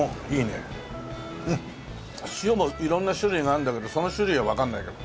塩も色んな種類があるんだけどその種類はわかんないけど。